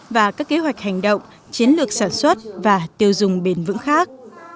và các kế hoạch hành động chiến lược sản xuất và tiêu dùng bền vững khác